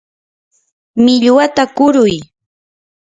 millwata kuruy.